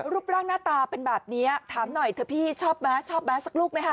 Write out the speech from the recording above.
รูปร่างหน้าตาเป็นแบบนี้ถามหน่อยเถอะพี่ชอบแมสชอบแมสสักลูกไหมคะ